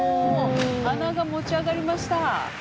鼻が持ち上がりました。